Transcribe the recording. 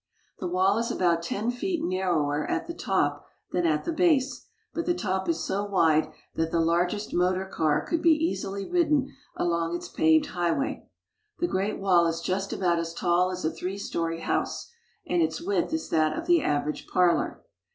The wall is about ten feet nar rower at the top than at the base ; but the top is so wide that the largest motor car could be easily ridden along its paved highway. The Great Wall is just about as tall as a three story house, and its width is that of the average parlor.